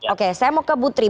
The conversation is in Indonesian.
oke saya mau ke butri